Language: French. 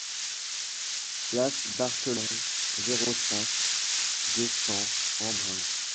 Place Barthelon, zéro cinq, deux cents Embrun